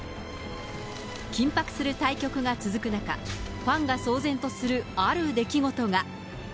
緊迫する対局が続く中、ファンが騒然とする、ある出来事が。